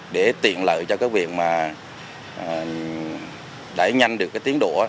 để tiện lợi cho các em mà đẩy nhanh được tiến độ